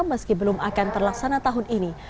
meski belum akan terlaksana tahun ini